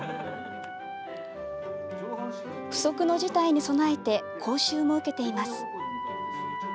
不測の事態に備えて講習も受けています。